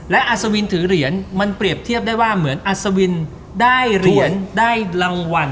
และอัศวินถือเหรียญมันเปรียบเทียบได้ว่าเหมือนอัศวินได้เหรียญได้รางวัล